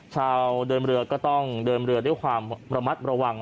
ชาวเดินเรือก็ต้องเดินเรือด้วยความระมัดระวัง